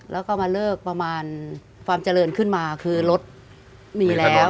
แล้วก็มาเลิกประมาณความเจริญขึ้นมาคือรถมีแล้ว